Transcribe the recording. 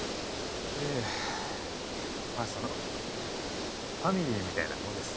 ええまぁそのファミリーみたいなもんです。